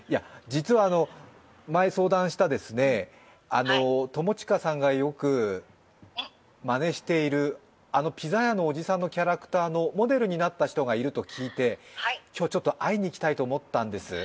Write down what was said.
実は、前相談した、友近さんがよくまねしているあのピザ屋のおじさんのモデルになった人がいると聞いて、今日会いにいきたいと思ったんです。